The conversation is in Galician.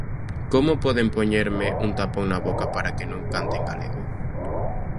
Como poden poñerme un tapón na boca para que non cante en galego?